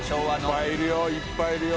いっぱいいるよいっぱいいるよ。